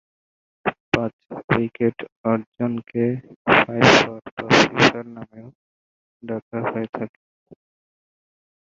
পাঁচ-উইকেট অর্জনকে ‘five-for’ বা ‘ফিফার’ নামেও ডাকা হয়ে থাকে।